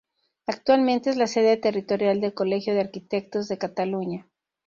Actualmente es la sede territorial del Colegio de Arquitectos de Cataluña.